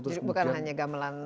bukan hanya gamelan